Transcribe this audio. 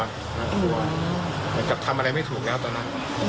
เหมือนกับทำอะไรไม่ถูกแล้วตอนนั้น